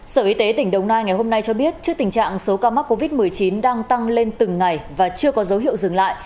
sở y tế tỉnh đồng nai ngày hôm nay cho biết trước tình trạng số ca mắc covid một mươi chín đang tăng lên từng ngày và chưa có dấu hiệu dừng lại